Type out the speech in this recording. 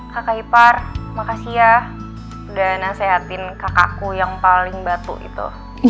kakak ipar makasih ya udah nasehatin kakakku yang paling batu itu